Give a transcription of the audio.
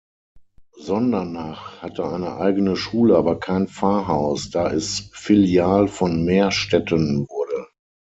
Sondernach hatte eine eigene Schule, aber kein Pfarrhaus, da es Filial von Mehrstetten wurde.